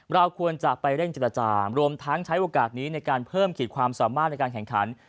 เราควรจะไปเร่งเจรจารวมทั้งใช้โอกาสนี้ในการเพิ่มขีดความสามารถในการแข่งขัน